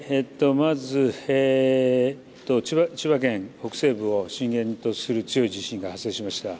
まず、千葉県北西部を震源とする強い地震が発生しました。